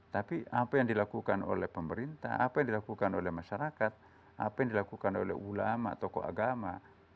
tapi apa yang dilakukan oleh pemerintah apa yang dilakukan oleh masyarakat apa yang dilakukan oleh ulama tokoh agama